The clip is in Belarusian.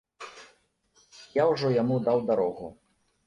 Я ўжо яму даў дарогу.